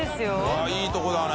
錣いいとこだね。